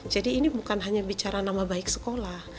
ini bukan hanya bicara nama baik sekolah